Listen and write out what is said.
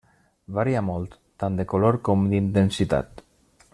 Varia molt tant de color com d'intensitat.